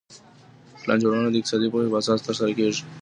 پلان جوړونه د اقتصادي پوهي په اساس ترسره کيږي.